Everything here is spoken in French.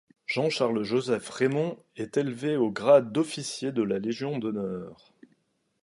Jean-Charles-Joseph Rémond est élevé au grade d'officier de la Légion d'honneur.